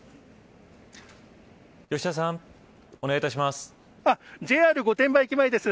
吉田さん、お願いいたします。